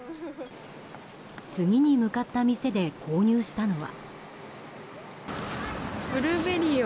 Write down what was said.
次に向かった店で購入したのは。